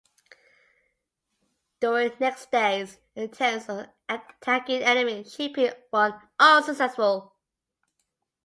During next days, attempts at attacking enemy shipping were unsuccessful.